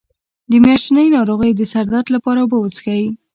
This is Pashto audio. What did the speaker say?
د میاشتنۍ ناروغۍ د سر درد لپاره اوبه وڅښئ